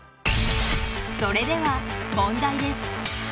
それでは問題です。